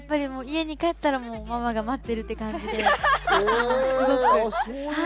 家に帰ったらママが待っているっていう感じで。